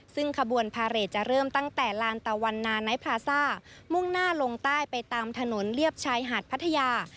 ซึ่งขบวนพาเรทจะเริ่มตั้งแต่ลานตะวันนาไนท์พลาซ่ามุ่งหน้าลงใต้ไปตามถนนเลียบชายหาดพัทยา